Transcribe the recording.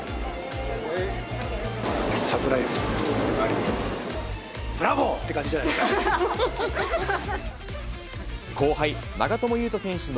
サプライズでもあり、ブラボー！って感じじゃないですか。